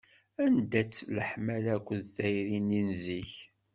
Anda-tt leḥmala akked tayri-nni n zik?